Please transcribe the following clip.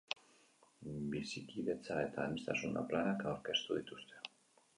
Bizikidetza eta aniztasuna planak aurkeztu dituzte.